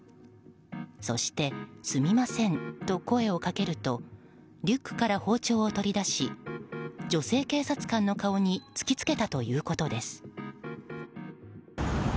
そして、すみませんと声をかけるとリュックから包丁を取り出し女性警察官の顔に突きつけたということです。